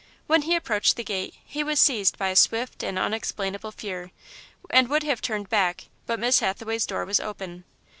When he approached the gate, he was seized by a swift and unexplainable fear, and would have turned back, but Miss Hathaway's door was opened.